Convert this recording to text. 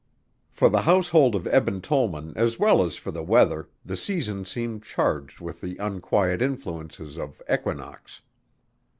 For the household of Eben Tollman as well as for the weather the season seemed charged with the unquiet influences of equinox.